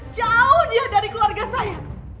jauh ya dari keluarga saya